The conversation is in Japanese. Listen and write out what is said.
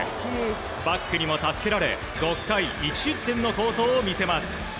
バックにも助けられ６回１失点の好投を見せます。